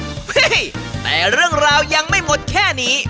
เฮ้ยแต่เรื่องราวยังไม่หมดแค่นี้